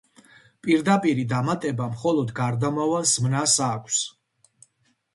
პირდაპირი დამატება მხოლოდ გარდამავალ ზმნას აქვს.